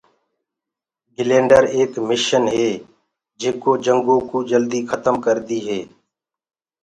گرينڊر ايڪ مشن هي جينڪآ جنگو ڪوُ جلدي کتم ڪردي هي۔